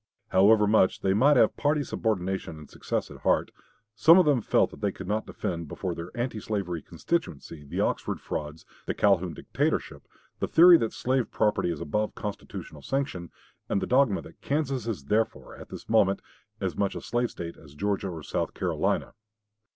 However much they might have party subordination and success at heart, some of them felt that they could not defend before their anti slavery constituencies the Oxford frauds, the Calhoun dictatorship, the theory that slave property is above constitutional sanction, and the dogma that "Kansas is therefore at this moment as much a slave State as Georgia or South Carolina."